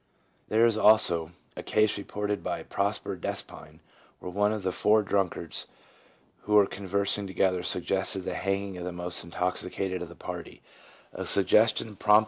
1 There is also "a case reported by Prosper Des pine, where one of the four drunkards who were con versing together suggested the hanging of the most intoxicated of the party — a suggestion promptly 1 W.